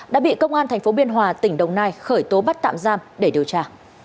đã bị công an tp biên hòa tỉnh đồng nai khởi tố bắt tạm giam để điều tra